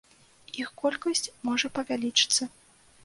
Іх колькасць можа павялічыцца.